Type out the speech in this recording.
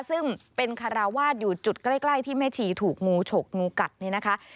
ซึ่งเป็นคาราวาสอยู่จุดใกล้ที่แม่ชีถูกงูฉกงูกัดนี่นะคะ